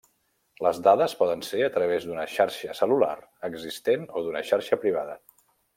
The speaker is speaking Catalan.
Les dades poden ser a través d'una xarxa cel·lular existent o d'una xarxa privada.